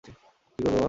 কি করবো মা?